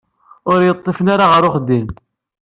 Ur yi-ṭṭifen ara ɣer uxeddim.